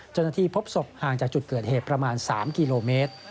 พบศพห่างจากจุดเกิดเหตุประมาณ๓กิโลเมตร